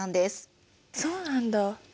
そうなんだ。